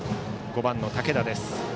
５番の武田です。